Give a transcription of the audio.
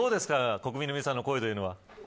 国民の皆さんの声というのは。